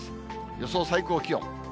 予想最高気温。